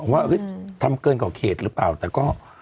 ว่าทำเกินกว่าเขตหรือเปล่าแต่ก็